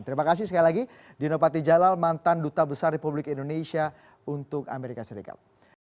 terima kasih sekali lagi dino patijalal mantan duta besar republik indonesia untuk amerika serikat